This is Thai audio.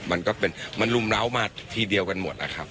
มันก็เป็นมันรุมเล้ามาทีเดียวกันหมดนะครับ